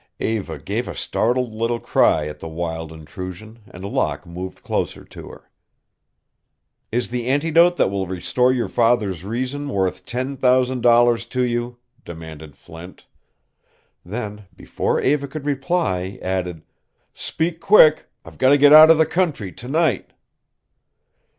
Eva gave a startled little cry at the wild intrusion and Locke moved closer to her. "Is the antidote that will restore your father's reason worth ten thousand dollars to you?" demanded Flint; then, before Eva could reply, added: "Speak quick! I've got to get out of the country to night."